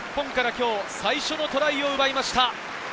今日、最初のトライを奪いました。